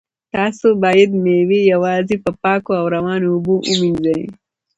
تاسو باید مېوې یوازې په پاکو او روانو اوبو ومینځئ.